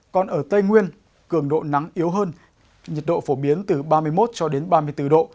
còn ở tây nguyên cường độ nắng yếu hơn nhiệt độ phổ biến từ ba mươi một cho đến ba mươi bốn độ